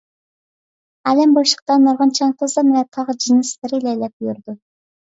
ئالەم بوشلۇقىدا نۇرغۇن چاڭ-توزان ۋە تاغ جىنسلىرى لەيلەپ يۈرىدۇ.